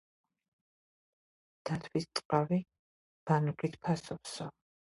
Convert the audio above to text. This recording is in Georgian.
დათვის ტყავი ბანჯგვლით ფასობსო